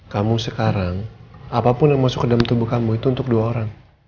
kamu sekarang apapun yang masuk ke dalam tubuh kamu itu untuk dua orang